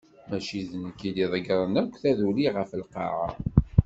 Mačči d nekk i iḍeggren akk taduli ɣef lqaɛa.